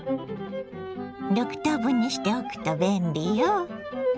６等分にしておくと便利よ。